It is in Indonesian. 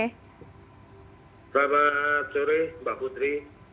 selamat sore mbak putri